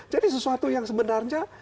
jadi sesuatu yang sebenarnya